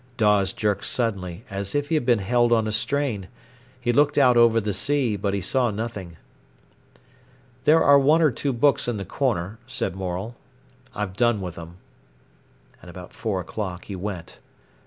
Dawes jerked suddenly, as if he had been held on a strain. He looked out over the sea, but he saw nothing. "There are one or two books in the corner," said Morel. "I've done with 'em." At about four o'clock he went.